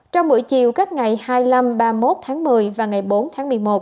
trong buổi chiều các ngày hai mươi năm ba mươi một tháng một mươi và ngày bốn tháng một mươi một